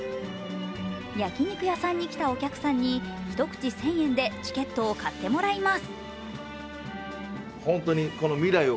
焼き肉屋さんに来たお客さんに１口１０００円でチケットを買ってもらいます。